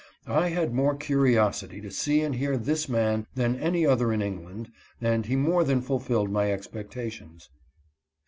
I had more curiosity to see and hear this man than any other in England, and he more than fulfilled my expectations.